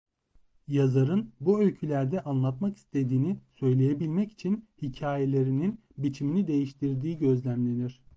Yazarın bu öykülerde anlatmak istediğini söyleyebilmek için hikâyelerinin biçimini değiştirdiği gözlemlenir.